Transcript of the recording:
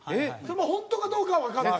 本当かどうかはわかんない。